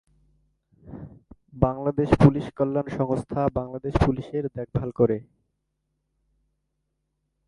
Bangladesh police কল্যাণ সংস্থা বাংলাদেশ পুলিশের দেখভাল করে।